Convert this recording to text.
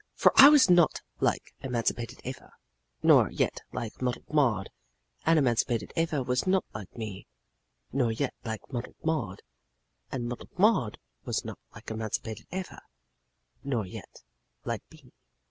For I was not like Emancipated Eva, nor yet like Muddled Maud; and Emancipated Eva was not like me, nor yet like Muddled Maud; and Muddled Maud was not like Emancipated Eva, nor yet like me.